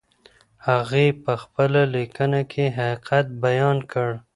هغې په خپله لیکنه کې حقیقت بیان کړ.